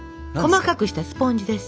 細かくしたスポンジです。